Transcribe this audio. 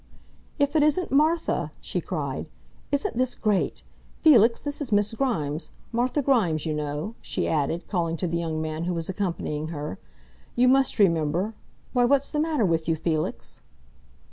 "If it isn't Martha!" she cried. "Isn't this great! Felix, this is Miss Grimes Martha Grimes, you know," she added, calling to the young man who was accompanying her. "You must remember why, what's the matter with you, Felix?"